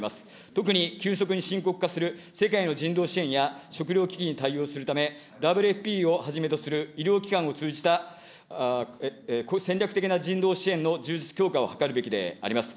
特に急速に深刻化する世界の人道支援や食糧危機に対応するため、ＷＦＰをはじめとする医療機関を通じた戦略的な人道支援の充実強化を図るべきであります。